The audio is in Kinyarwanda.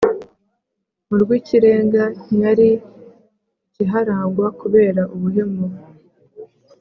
mu rw’Ikirenga ntiyari ikiharangwa kubera ubuhemu